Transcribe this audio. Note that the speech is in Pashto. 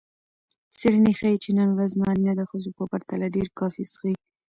څیړنې ښيي چې نن ورځ نارینه د ښځو په پرتله ډېره کافي څښي.